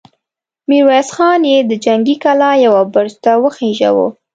ميرويس خان يې د جنګي کلا يوه برج ته وخېژاوه!